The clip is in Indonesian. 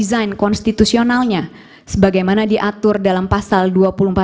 kedua mahkamah konstitusi adalah lembaga yang didesain untuk menjaga dan membuat kesempatan dengan kekuasaan